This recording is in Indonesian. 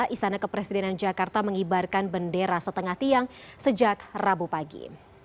istana kepresidenan jakarta mengibarkan bendera setengah tiang sejak rabu pagi